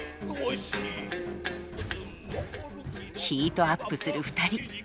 ヒートアップする２人。